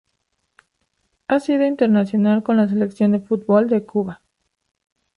Ha sido internacional con la Selección de fútbol de Cuba.